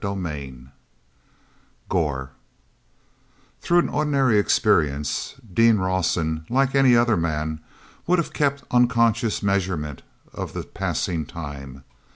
CHAPTER XVII Gor hrough an ordinary experience, Dean Rawson, like any other man, would have kept unconscious measurement of the passing time.